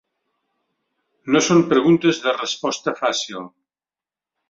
No són preguntes de resposta fàcil.